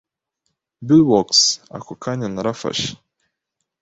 bulwarks. Ako kanya narafashe.